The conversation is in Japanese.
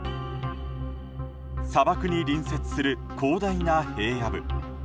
砂漠に隣接する広大な平野部。